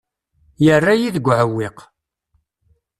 Yerra-yi deg uɛewwiq.